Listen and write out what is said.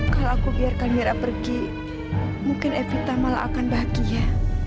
kalau aku biarkan mira pergi mungkin evita malah akan bahagia